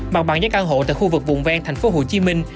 bằng bằng giá căn hộ tại khu vực vùng ven thành phố hồ chí minh